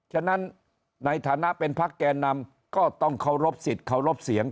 ฉะนั้นในฐานะเป็นพักแก่นำก็ต้องเคารพสิทธิ์เคารพเสียง